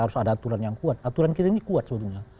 harus ada aturan yang kuat aturan kita ini kuat sebetulnya